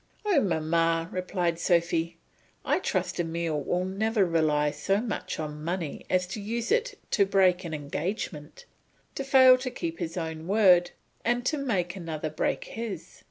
"Oh, mamma," replied Sophy, "I trust Emile will never rely so much on money as to use it to break an engagement, to fail to keep his own word, and to make another break his!